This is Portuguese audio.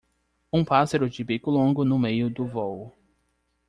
Um pássaro de bico longo no meio do vôo.